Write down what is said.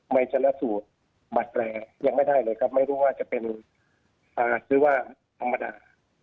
ไม่เจ้าสูตรบัตรแรไม่รู้ว่าจะเป็นซื่อว่าธรรมดา